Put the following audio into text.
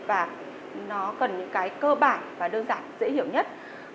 và nó cần những cái cơ bản và đơn giản dễ hiểu nhất